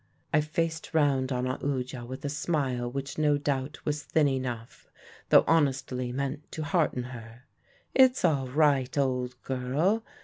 I faced round on Aoodya with a smile which no doubt was thin enough, though honestly meant to hearten her. 'It's all right, old girl.